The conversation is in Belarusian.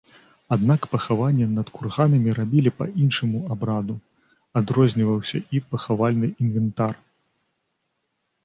Аднак пахаванні над курганамі рабілі па іншаму абраду, адрозніваўся і пахавальны інвентар.